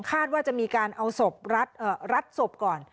คาดว่าจะมีการเอาสบรัดรัดสบก่อน